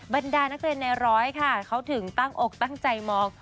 บรรดานักเรียนในร้อยค่ะเขาถึงตั้งอกตั้งใจมอง